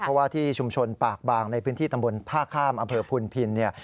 เพราะว่าที่ชุมชนปากบางในพื้นที่ตำบลท่าข้ามอำเภอพุนพินเนี่ย